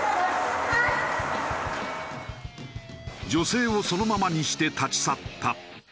女性をそのままにして立ち去った。